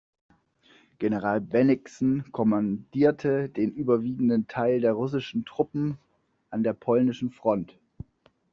General Bennigsen kommandierte den überwiegenden Teil der russischen Truppen an der polnischen Front.